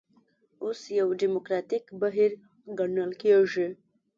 اوس یو ډیموکراتیک بهیر ګڼل کېږي.